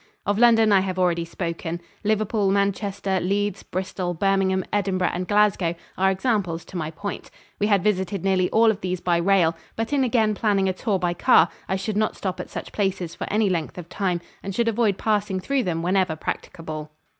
Of London I have already spoken. Liverpool, Manchester, Leeds, Bristol, Birmingham, Edinburgh and Glasgow are examples to my point. We had visited nearly all of these by rail, but in again planning a tour by car I should not stop at such places for any length of time and should avoid passing through them whenever practicable.